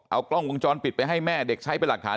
เอากล้องวงจรปิดไปให้แม่เด็กใช้เป็นหลักฐาน